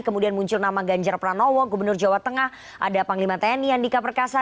kemudian muncul nama ganjar pranowo gubernur jawa tengah ada panglima tni andika perkasa